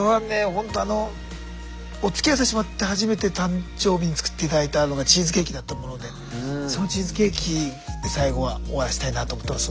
ほんとあのおつきあいさせてもらって初めて誕生日に作って頂いたのがチーズケーキだったものでそのチーズケーキで最期は終わらせたいなと思ってます。